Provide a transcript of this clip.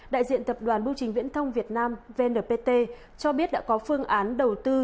đại diện tập đoàn bưu trình viễn thông việt nam vnpt cho biết đã có phương án đầu tư